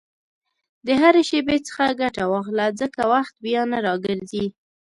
د هرې شېبې څخه ګټه واخله، ځکه وخت بیا نه راګرځي.